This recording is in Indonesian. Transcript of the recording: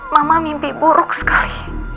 mama mimpi buruk sekali